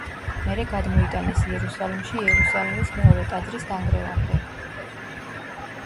მერე გადმოიტანეს იერუსალიმში იერუსალიმის მეორე ტაძრის დანგრევამდე.